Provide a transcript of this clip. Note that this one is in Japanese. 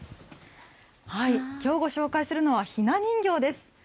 きょうご紹介するのはひな人形です。